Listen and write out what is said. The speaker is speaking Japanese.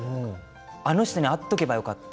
あの人に会っておけばよかった